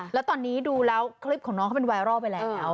แล้วตอนนี้ดูแล้วคลิปของน้องเขาเป็นไวรัลไปแล้ว